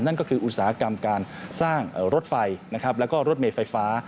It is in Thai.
นั่นก็คืออุตสาหกรรมการสร้างรถไฟและรถเมตรไฟฟ้า